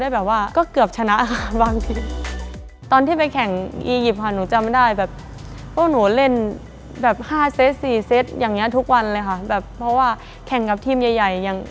แบบเพราะว่าแข่งกับทีมใหญ่อย่าง